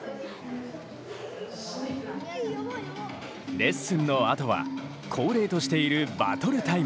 レッスンのあとは恒例としているバトルタイム。